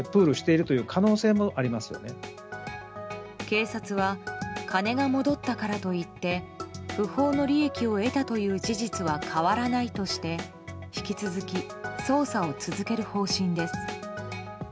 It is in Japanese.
警察は金が戻ったからといって不法の利益を得たという事実は変わらないとして引き続き捜査を続ける方針です。